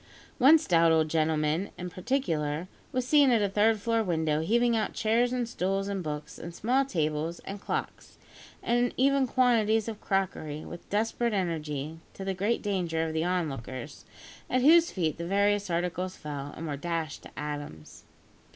One stout old gentleman, in particular, was seen at a third floor window, heaving out chairs and stools and books, and small tables, and clocks, and even quantities of crockery, with desperate energy, to the great danger of the onlookers, at whose feet the various articles fell, and were dashed to atoms!